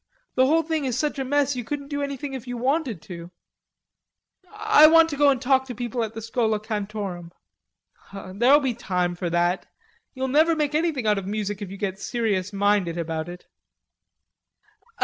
the whole thing is such a mess you couldn't do anything if you wanted to." "I want to go and talk to people at the Schola Cantorum." "There'll be time for that. You'll never make anything out of music if you get serious minded about it."